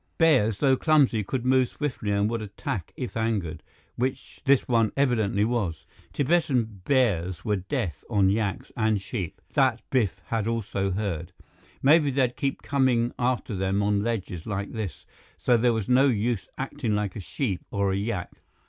Bears, though clumsy, could move swiftly and would attack if angered, which this one evidently was. Tibetan bears were death on yaks and sheep; that Biff had also heard. Maybe they'd keep coming after them on ledges like this, so there was no use acting like a sheep or a yak.